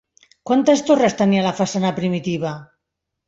Quantes torres tenia la façana primitiva?